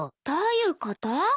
どういうこと？